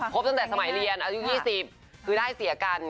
ตั้งแต่สมัยเรียนอายุ๒๐คือได้เสียกัน